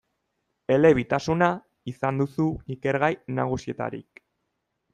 Elebitasuna izan duzu ikergai nagusietarik.